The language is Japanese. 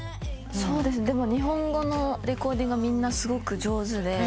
でも日本語のレコーディングはみんなすごく上手で。